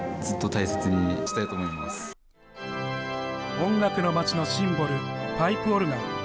音楽の街のシンボル、パイプオルガン。